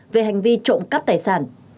về hành vi trộm cắt tài sản